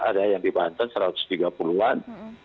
ada yang di banten satu ratus tiga puluh an